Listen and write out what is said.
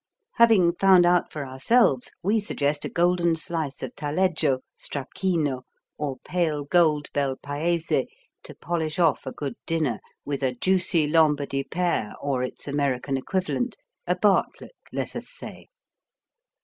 Having found out for ourselves, we suggest a golden slice of Taleggio, Stracchino, or pale gold Bel Paese to polish off a good dinner, with a juicy Lombardy pear or its American equivalent, a Bartlett, let us say.